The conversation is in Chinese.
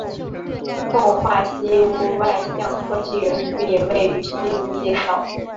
奉化西坞外向科技园区也位于西坞街道。